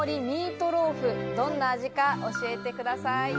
ミートローフ、どんな味か教えてください。